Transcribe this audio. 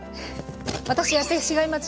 私やってしまいがち。